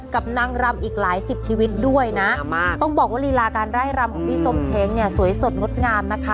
นางรำอีกหลายสิบชีวิตด้วยนะต้องบอกว่าลีลาการไล่รำของพี่ส้มเช้งเนี่ยสวยสดงดงามนะคะ